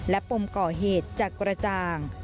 และปมก่อเหตุจะกระจ่าง